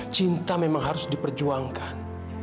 cinta memang harus diperjuangkan